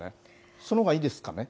そのほうがいいですかね？